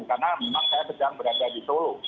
karena memang saya sedang berdiskusi